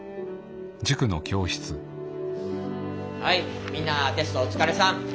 はいみんなテストお疲れさん。